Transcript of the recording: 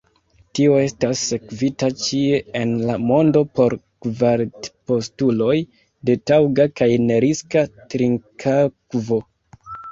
Tio estas sekvita ĉie en la mondo por kvalitpostuloj de taŭga kaj neriska trinkakvo.